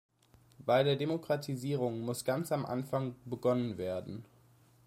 Bei der Demokratisierung muss ganz am Anfang begonnen werden.